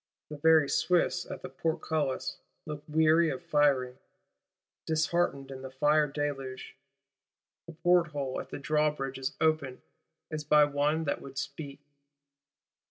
The very Swiss at the Portcullis look weary of firing; disheartened in the fire deluge: a porthole at the drawbridge is opened, as by one that would speak.